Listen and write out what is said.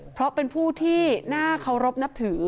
เพราะเป็นผู้ที่น่าเคารพนับถือ